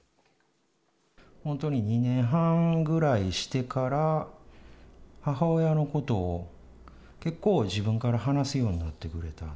本当に２年半ぐらいしてから、母親のことを結構、自分から話すようになってくれた。